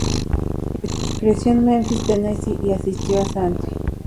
Creció en Memphis, Tennessee y asistió a St.